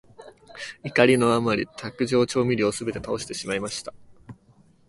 怒りのあまり、卓上調味料をすべて倒してしまいました。